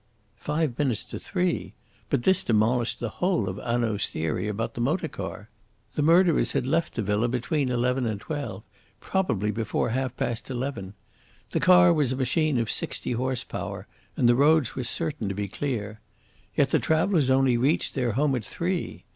Five minutes to three! But this demolished the whole of Hanaud's theory about the motor car. The murderers had left the villa between eleven and twelve, probably before half past eleven. The car was a machine of sixty horse power, and the roads were certain to be clear. Yet the travellers only reached their home at three.